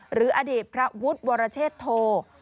หรืออดีตพระวุฒิวรเชษโธ